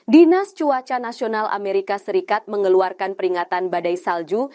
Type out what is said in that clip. dinas cuaca nasional amerika serikat mengeluarkan peringatan badai salju